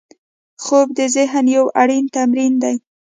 خوب د ذهن یو اړین تمرین دی